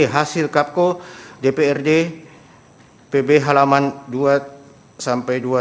hasil kapko dprd pb halaman dua sampai dua